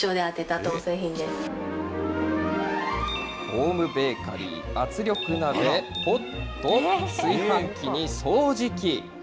ホームベーカリー、圧力鍋、ポット、炊飯器に掃除機。